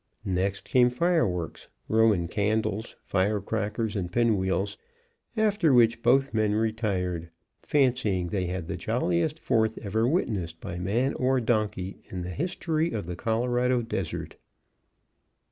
Next came fire works Roman candles, firecrackers, and pin wheels after which both men retired, fancying they had the jolliest Fourth ever witnessed by man or donkey in the history of the Colorado desert.